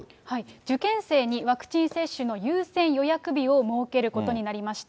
受験生にワクチン接種の優先予約日を設けることになりました。